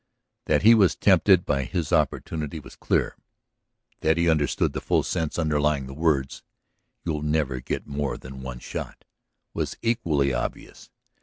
That he was tempted by his opportunity was clear; that he understood the full sense underlying the words, "You'll never get more than one shot," was equally obvious.